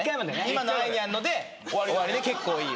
今のアイニャンので終わりね「結構いい」は。